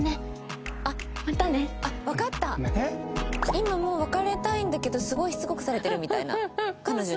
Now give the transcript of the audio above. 今もう別れたいんだけどすごいしつこくされてるみたいな彼女に。